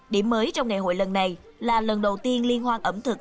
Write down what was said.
điểm mới trong ngày hội lần này là lần đầu tiên liên hoan ẩm thực